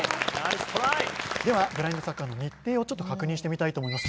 ブラインドサッカーの日程を確認してみたいと思います。